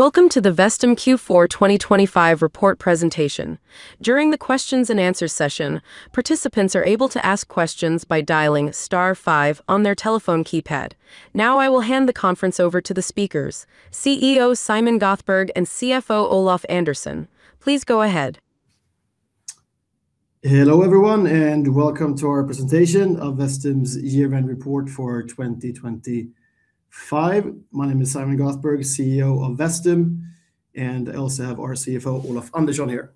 Welcome to the Vestum Q4 2025 report presentation. During the questions and answer session, participants are able to ask questions by dialing star five on their telephone keypad. Now, I will hand the conference over to the speakers, CEO Simon Göthberg and CFO Olof Andersson. Please go ahead. Hello, everyone, and welcome to our presentation of Vestum's year-end report for 2025. My name is Simon Göthberg, CEO of Vestum, and I also have our CFO, Olof Andersson, here.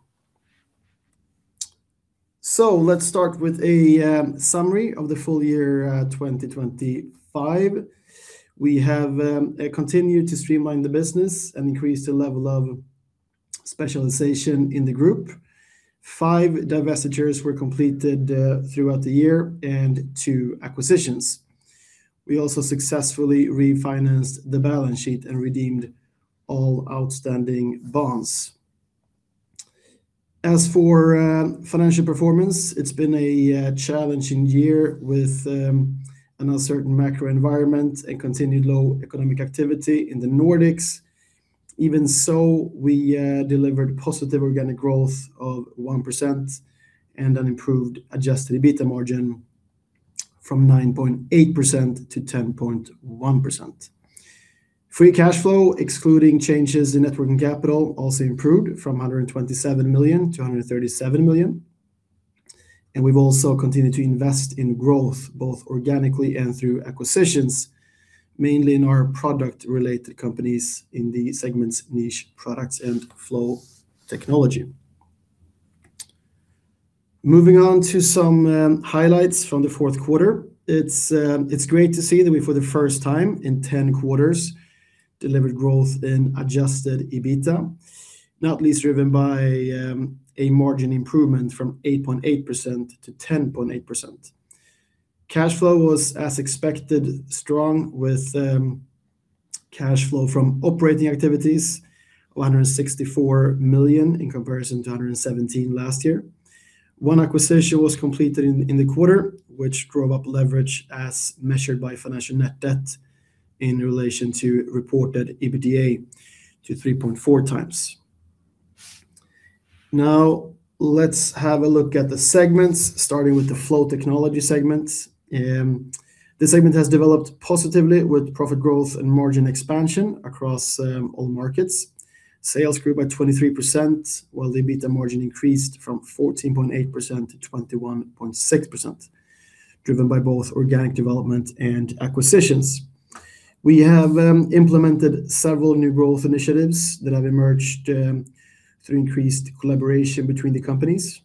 So let's start with a summary of the full year 2025. We have continued to streamline the business and increase the level of specialization in the group. Five divestitures were completed throughout the year and two acquisitions. We also successfully refinanced the balance sheet and redeemed all outstanding bonds. As for financial performance, it's been a challenging year with an uncertain macro environment and continued low economic activity in the Nordics. Even so, we delivered positive organic growth of 1% and an improved adjusted EBITDA margin from 9.8%-10.1%. Free cash flow, excluding changes in net working capital, also improved from 127 million to 137 million. We've also continued to invest in growth, both organically and through acquisitions, mainly in our product-related companies in the segments, Niche Products and Flow Technology. Moving on to some highlights from the fourth quarter. It's great to see that we, for the first time in 10 quarters, delivered growth in adjusted EBITDA, not least driven by a margin improvement from 8.8% to 10.8%. Cash flow was, as expected, strong, with cash flow from operating activities of 164 million in comparison to 117 million last year. One acquisition was completed in the quarter, which drove up leverage as measured by financial net debt in relation to reported EBITDA to 3.4 times. Now, let's have a look at the segments, starting with the Flow Technology segments. The segment has developed positively with profit growth and margin expansion across all markets. Sales grew by 23%, while the EBITDA margin increased from 14.8%-21.6%, driven by both organic development and acquisitions. We have implemented several new growth initiatives that have emerged through increased collaboration between the companies.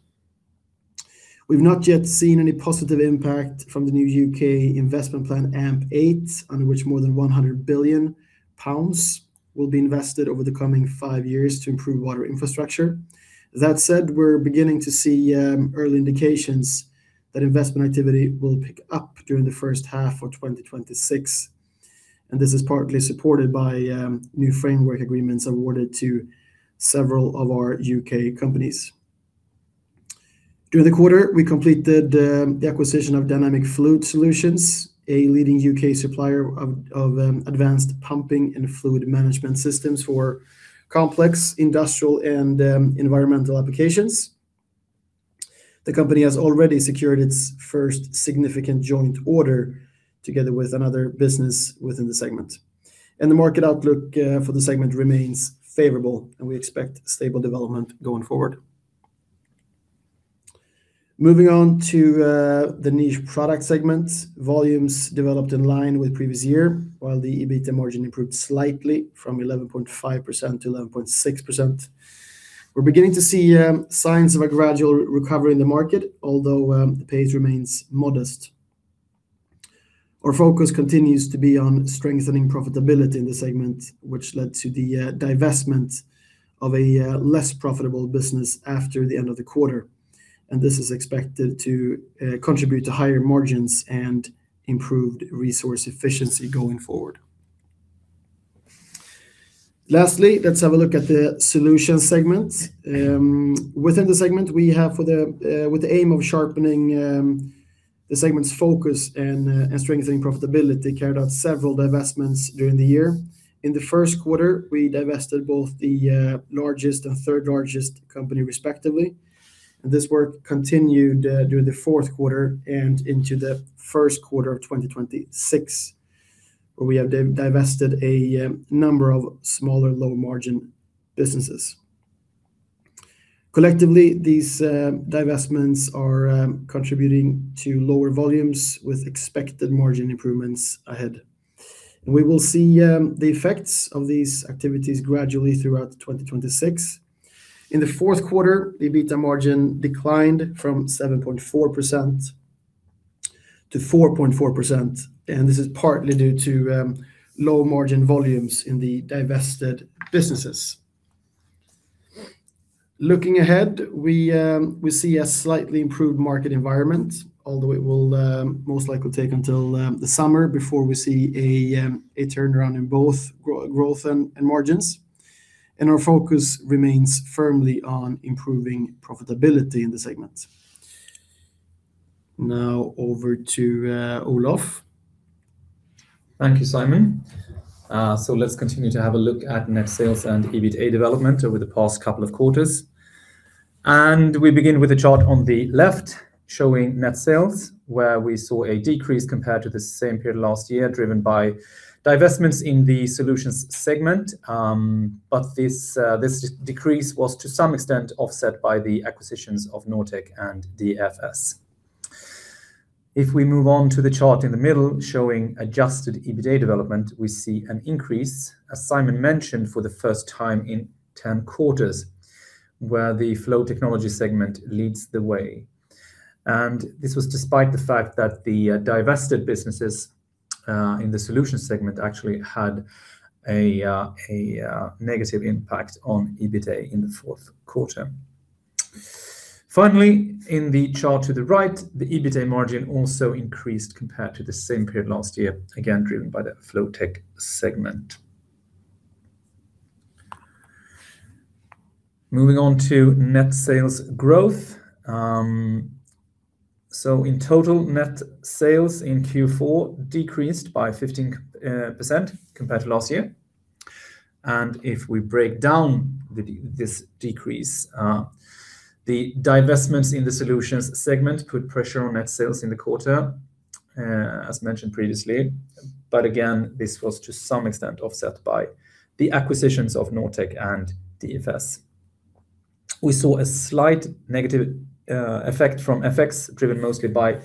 We've not yet seen any positive impact from the new U.K. investment plan, AMP8, under which more than 100 billion pounds will be invested over the coming five years to improve water infrastructure. That said, we're beginning to see early indications that investment activity will pick up during the first half of 2026, and this is partly supported by new framework agreements awarded to several of our U.K. companies. During the quarter, we completed the acquisition of Dynamic Fluid Solutions, a leading U.K. supplier of advanced pumping and fluid management systems for complex industrial and environmental applications. The company has already secured its first significant joint order together with another business within the segment, and the market outlook for the segment remains favorable, and we expect stable development going forward. Moving on to the Niche Products segment. Volumes developed in line with previous year, while the EBITDA margin improved slightly from 11.5%-11.6%. We're beginning to see signs of a gradual recovery in the market, although the pace remains modest. Our focus continues to be on strengthening profitability in the segment, which led to the divestment of a less profitable business after the end of the quarter, and this is expected to contribute to higher margins and improved resource efficiency going forward. Lastly, let's have a look at the Solutions segment. Within the segment, we have, with the aim of sharpening the segment's focus and strengthening profitability, carried out several divestments during the year. In the first quarter, we divested both the largest and third largest company, respectively. This work continued during the fourth quarter and into the first quarter of 2026, where we have divested a number of smaller, low-margin businesses. Collectively, these divestments are contributing to lower volumes with expected margin improvements ahead. We will see the effects of these activities gradually throughout 2026. In the fourth quarter, the EBITDA margin declined from 7.4% to 4.4%, and this is partly due to low margin volumes in the divested businesses. Looking ahead, we see a slightly improved market environment, although it will most likely take until the summer before we see a turnaround in both growth and margins. Our focus remains firmly on improving profitability in the segment... Now over to Olof. Thank you, Simon. So let's continue to have a look at net sales and EBITA development over the past couple of quarters. We begin with a chart on the left, showing net sales, where we saw a decrease compared to the same period last year, driven by divestments in the Solutions segment. But this decrease was, to some extent, offset by the acquisitions of Nortech and DFS. If we move on to the chart in the middle, showing adjusted EBITA development, we see an increase, as Simon mentioned, for the first time in 10 quarters, where the Flow Technology segment leads the way. This was despite the fact that the divested businesses in the Solutions segment actually had a negative impact on EBITA in the fourth quarter. Finally, in the chart to the right, the EBITA margin also increased compared to the same period last year, again, driven by the Flow Technology segment. Moving on to net sales growth. So in total, net sales in Q4 decreased by 15% compared to last year. If we break down this decrease, the divestments in the Solutions segment put pressure on net sales in the quarter, as mentioned previously. But again, this was to some extent offset by the acquisitions of Nortech and DFS. We saw a slight negative effect from FX, driven mostly by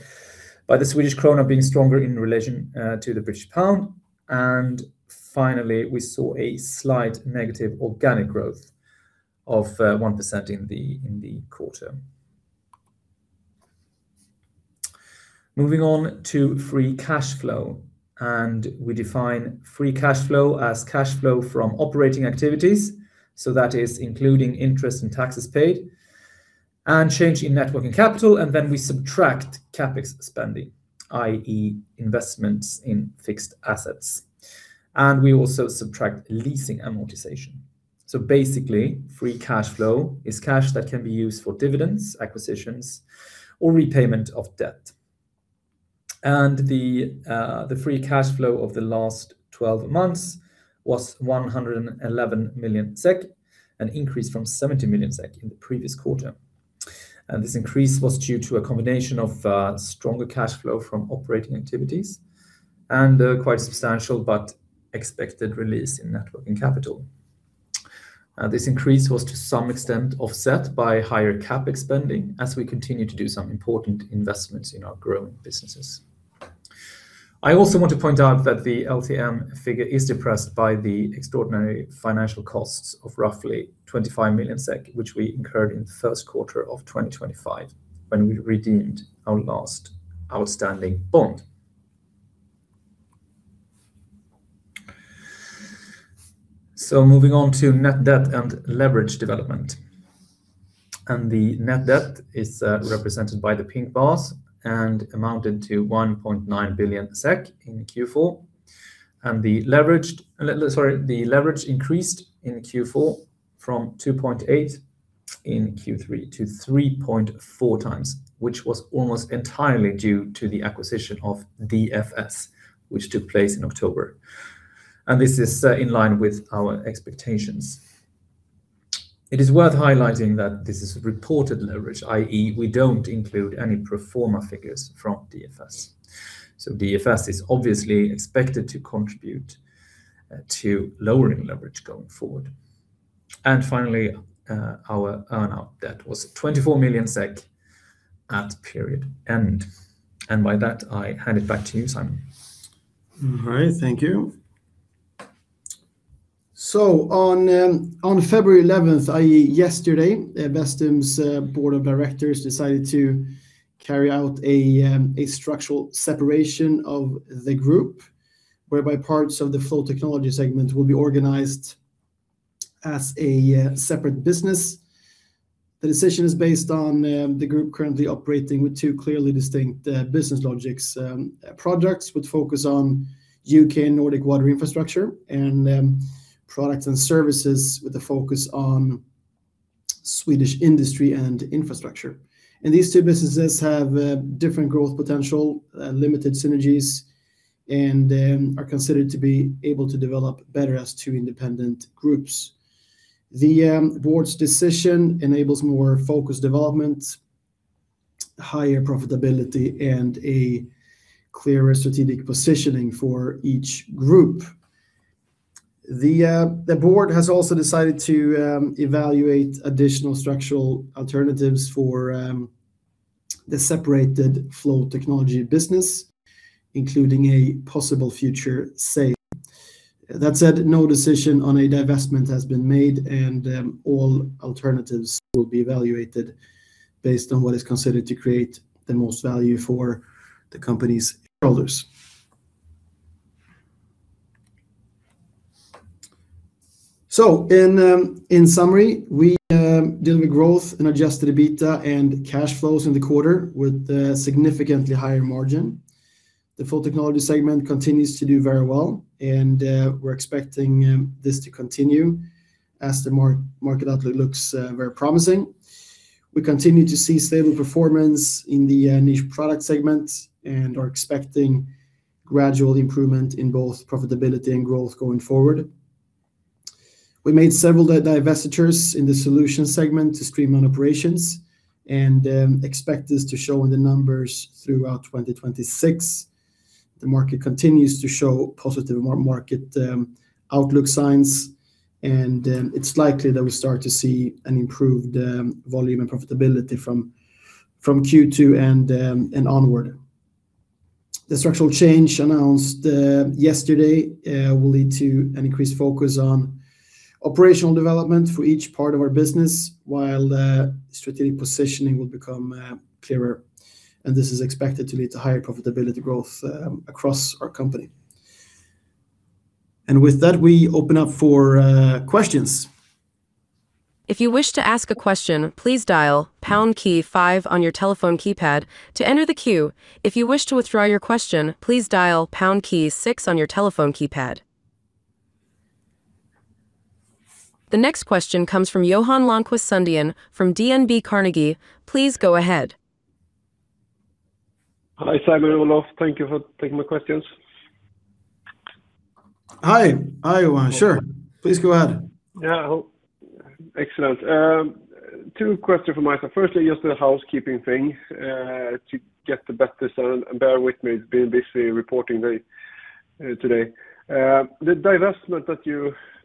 the Swedish krona being stronger in relation to the British pound. And finally, we saw a slight negative organic growth of 1% in the quarter. Moving on to free cash flow, and we define free cash flow as cash flow from operating activities, so that is including interest and taxes paid, and change in net working capital, and then we subtract CapEx spending, i.e., investments in fixed assets. And we also subtract leasing amortization. So basically, free cash flow is cash that can be used for dividends, acquisitions, or repayment of debt. And the, the free cash flow of the last twelve months was 111 million SEK, an increase from 70 million SEK in the previous quarter. And this increase was due to a combination of stronger cash flow from operating activities and quite substantial, but expected release in net working capital. This increase was, to some extent, offset by higher CapEx spending as we continue to do some important investments in our growing businesses. I also want to point out that the LTM figure is depressed by the extraordinary financial costs of roughly 25 million SEK, which we incurred in the first quarter of 2025, when we redeemed our last outstanding bond. So moving on to net debt and leverage development. The net debt is represented by the pink bars and amounted to 1.9 billion SEK in Q4. The leverage, sorry, the leverage increased in Q4 from 2.8 in Q3-3.4 times, which was almost entirely due to the acquisition of DFS, which took place in October. This is in line with our expectations. It is worth highlighting that this is reported leverage, i.e., we don't include any pro forma figures from DFS. So DFS is obviously expected to contribute to lowering leverage going forward. And finally, our earnout debt was 24 million SEK at period end. And by that, I hand it back to you, Simon. All right, thank you. So on February eleventh, i.e., yesterday, Vestum's board of directors decided to carry out a structural separation of the group, whereby parts of the Flow Technology segment will be organized as a separate business. The decision is based on the group currently operating with two clearly distinct business logics, projects, which focus on U.K. and Nordic water infrastructure, and products and services with a focus on Swedish industry and infrastructure. These two businesses have different growth potential, limited synergies, and are considered to be able to develop better as two independent groups. The board's decision enables more focused development, higher profitability, and a clearer strategic positioning for each group. The board has also decided to evaluate additional structural alternatives for the separated Flow Technology business, including a possible future sale. That said, no decision on a divestment has been made, and all alternatives will be evaluated based on what is considered to create the most value for the company's shareholders. So in summary, we're dealing with growth in adjusted EBITA and cash flows in the quarter with a significantly higher margin. The Flow Technology segment continues to do very well, and we're expecting this to continue as the market outlook looks very promising. We continue to see stable performance in the Niche Products segment, and are expecting gradual improvement in both profitability and growth going forward. We made several divestitures in the Solutions segment to streamline operations, and expect this to show in the numbers throughout 2026. The market continues to show positive market outlook signs, and it's likely that we start to see an improved volume and profitability from Q2 and onward. The structural change announced yesterday will lead to an increased focus on operational development for each part of our business, while the strategic positioning will become clearer, and this is expected to lead to higher profitability growth across our company. With that, we open up for questions. If you wish to ask a question, please dial pound key five on your telephone keypad to enter the queue. If you wish to withdraw your question, please dial pound key six on your telephone keypad. The next question comes from Johan Lönnqvist Sundén from DNB Carnegie. Please go ahead. Hi, Simon, Olof, thank you for taking my questions. Hi. Hi, sure. Please go ahead. Yeah, excellent. Two questions from myself. Firstly, just a housekeeping thing, to get the better sound, and bear with me, it's been a busy reporting day, today.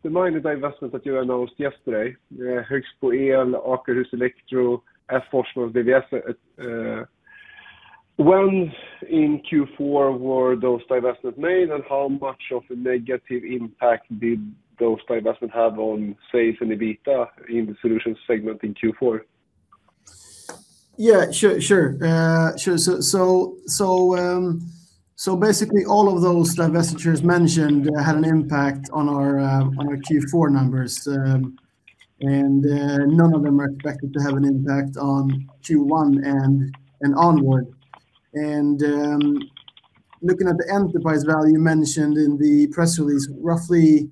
The minor divestment that you announced yesterday, Högsbo El, Akershus Elektro, F. Forsman VVS, when in Q4 were those divestment made, and how much of a negative impact did those divestment have on sales and EBITDA in the Solutions segment in Q4? Yeah, sure, sure. Sure. So basically all of those divestitures mentioned had an impact on our Q4 numbers. None of them are expected to have an impact on Q1 and onward. Looking at the enterprise value mentioned in the press release, roughly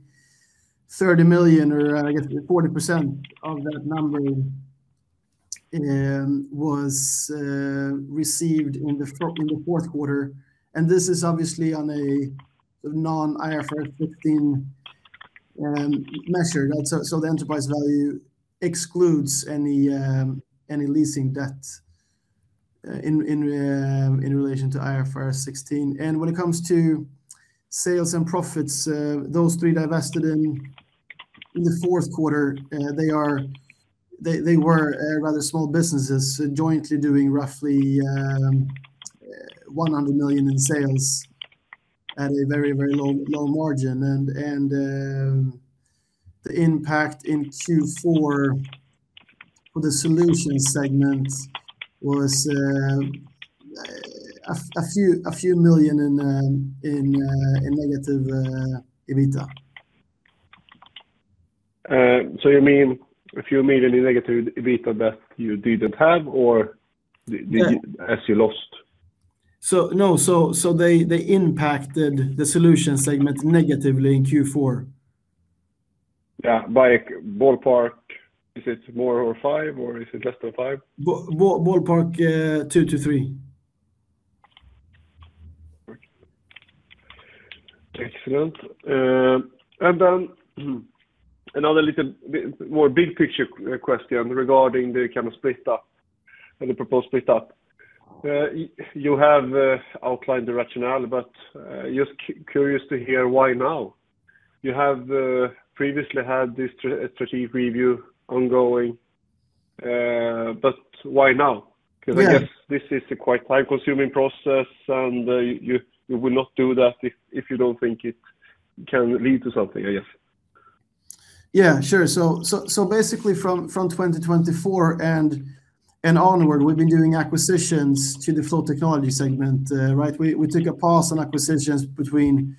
30 million or, I guess, 40% of that number was received in the fourth quarter, and this is obviously on a non-IFRS 15 measure. Also, so the enterprise value excludes any leasing debt in relation to IFRS 16. And when it comes to sales and profits, those three divested in the fourth quarter, they were rather small businesses jointly doing roughly 100 million in sales at a very, very low margin. And the impact in Q4 for the Solutions segment was a few million in negative EBITDA. So, you mean SEK a few million in negative EBITDA that you didn't have or as you lost? So no, they impacted the Solutions segment negatively in Q4. Yeah, ballpark, is it more or five, or is it less than five? Ballpark, 2-3. Excellent. And then another little bit more big picture question regarding the kind of split up and the proposed split up. You have outlined the rationale, but just curious to hear why now? You have previously had this strategy review ongoing, but why now? Yeah. 'Cause I guess this is a quite time-consuming process, and you would not do that if you don't think it can lead to something, I guess. Yeah, sure. So basically from 2024 and onward, we've been doing acquisitions to the Flow Technology segment. Right? We took a pause on acquisitions between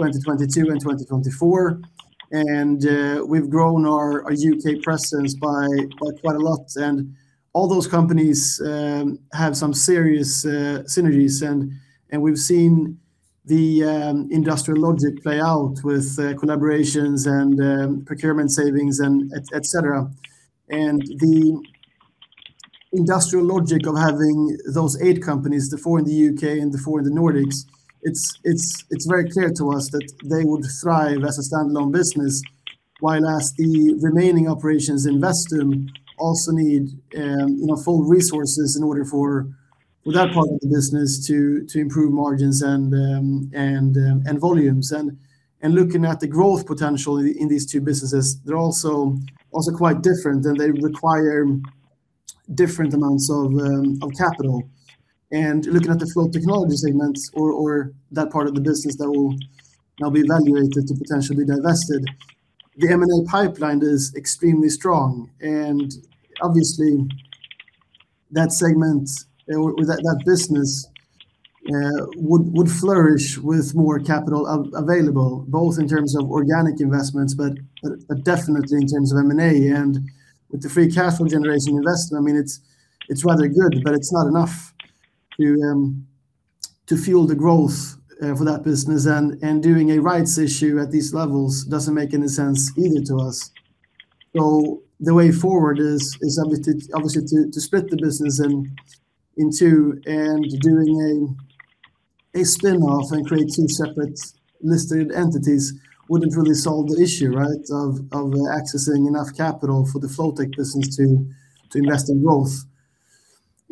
2022 and 2024, and we've grown our U.K. presence by quite a lot. And all those companies have some serious synergies, and we've seen the industrial logic play out with collaborations and procurement savings and et cetera. And the industrial logic of having those eight companies, the four in the U.K. and the four in the Nordics, it's very clear to us that they would thrive as a standalone business, while as the remaining operations in Vestum also need, you know, full resources in order for that part of the business to improve margins and volumes. Looking at the growth potential in these two businesses, they're also quite different, and they require different amounts of capital. Looking at the Flow Technology segment or that part of the business that will now be evaluated to potentially divested, the M&A pipeline is extremely strong. And obviously, that segment or that business would flourish with more capital available, both in terms of organic investments, but definitely in terms of M&A. And with the free cash flow generation investment, I mean, it's rather good, but it's not enough to fuel the growth for that business, and doing a rights issue at these levels doesn't make any sense either to us. So the way forward is obviously to split the business in two, and doing a spin-off and create two separate listed entities wouldn't really solve the issue, right? Of accessing enough capital for the Flowtech business to invest in growth.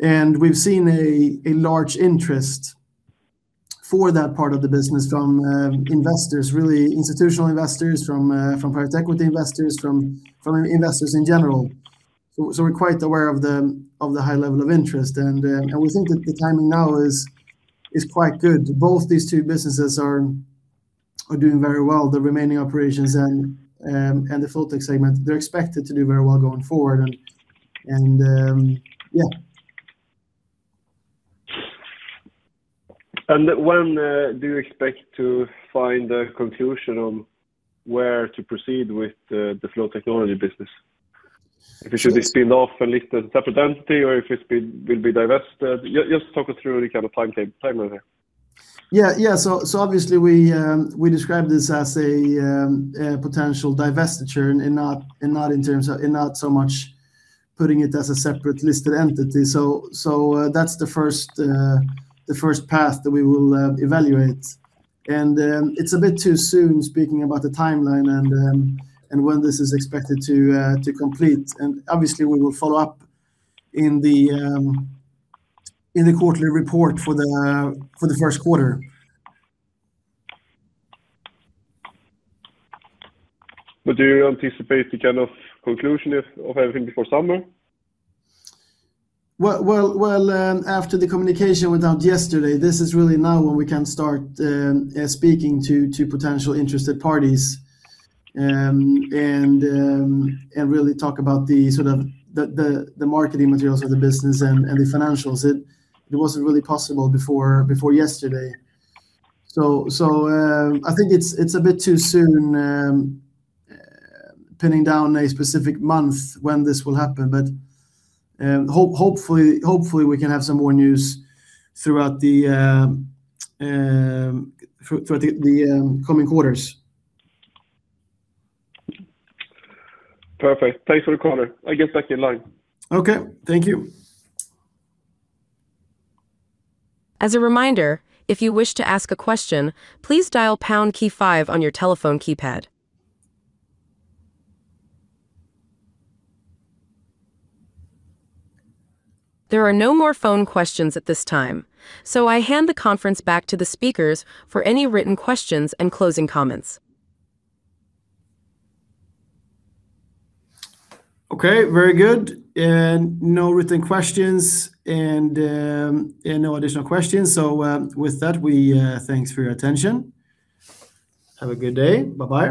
And we've seen a large interest for that part of the business from investors, really institutional investors, from private equity investors, from investors in general. So we're quite aware of the high level of interest, and we think that the timing now is quite good. Both these two businesses are doing very well, the remaining operations and the Flowtech segment, they're expected to do very well going forward. And yeah. When do you expect to find a conclusion on where to proceed with the Flow Technology business? If it should be spin-off and listed separate entity, or if it will be divested. Just talk us through the kind of timeline there. Yeah, yeah. So obviously we describe this as a potential divestiture and not in terms of... And not so much putting it as a separate listed entity. So that's the first path that we will evaluate. And it's a bit too soon speaking about the timeline and when this is expected to complete, and obviously we will follow up in the quarterly report for the first quarter. But do you anticipate the kind of conclusion of everything before summer? Well, well, well, after the communication went out yesterday, this is really now when we can start speaking to potential interested parties. And really talk about the sort of the marketing materials of the business and the financials. It wasn't really possible before yesterday. So, I think it's a bit too soon pinning down a specific month when this will happen, but hopefully we can have some more news throughout the coming quarters. Perfect. Thanks for the call. I get back in line. Okay, thank you. As a reminder, if you wish to ask a question, please dial pound key five on your telephone keypad. There are no more phone questions at this time, so I hand the conference back to the speakers for any written questions and closing comments. Okay, very good. And no written questions, and, and no additional questions. So, with that, we, thanks for your attention. Have a good day. Bye-bye.